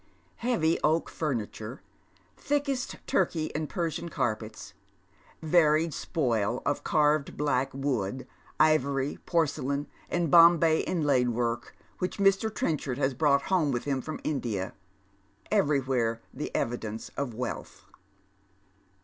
Heavy oak furniture, thickest Turkey and Persian carpets ; varied spoil of carved black wood, ivory, porcelain, and Bombay inlaid work, which Mr.Trcnchardhas brought home with him from India, — everywhere the evidence of wealth.